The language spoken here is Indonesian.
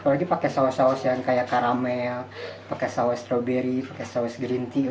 apalagi pakai saus saus yang kayak karamel pakai saus stroberi pakai saus green tea